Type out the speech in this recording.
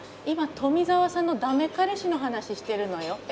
今富沢さんの駄目彼氏の話してるのよ。